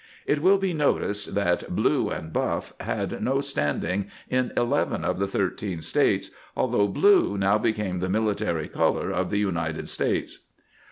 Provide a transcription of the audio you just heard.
It will be noticed that " blue and buff" had no standing in eleven of the thirteen States, although blue now became the military color of the United States.